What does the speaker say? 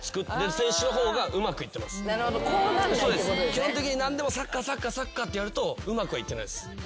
基本的に何でもサッカーサッカーサッカーってやるとうまくはいってないです。